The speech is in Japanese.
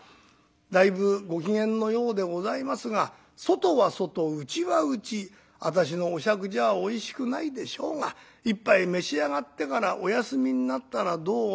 だいぶご機嫌のようでございますが外は外内は内私のお酌じゃおいしくないでしょうが一杯召し上がってからお休みになったらどう？』